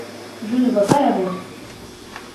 Je ne vois pas la vôtre.